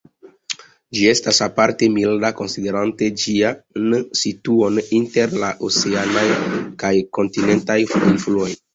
Ĝi estas aparte milda, konsiderante ĝian situon inter la oceanaj kaj kontinentaj influoj.